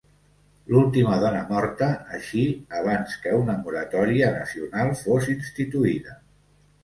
L'última dona morta així abans que una moratòria nacional fos instituïda.